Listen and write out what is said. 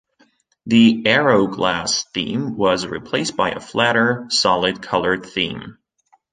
The Aero Glass theme was replaced by a flatter, solid colored theme.